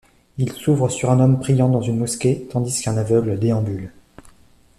Il s'ouvre sur un homme priant dans une mosquée tandis qu'un aveugle déambule.